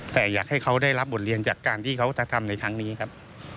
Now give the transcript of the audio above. แต่อยากให้เขาได้รับบทเรียนจากการที่เขากระทำในครั้งนี้ครับ